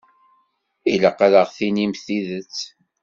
Ilaq ad aɣ-d-tinimt tidet.